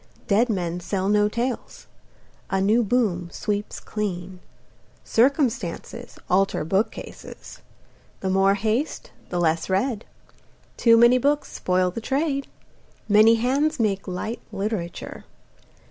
Dead men sell no tales. A new boom sweeps clean. Circumstances alter bookcases. The more haste the less read. Too many books spoil the trade. Many hands make light literature.